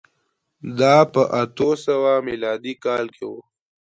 دا په اتو سوه میلادي کال کې و